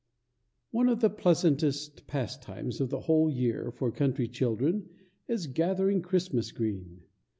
One of the pleasantest pastimes of the whole year for country children is gathering Christmas green.